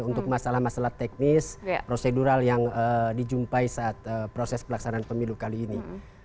untuk masalah masalah teknis prosedural yang dijumpai saat proses pelaksanaan pemilu kali ini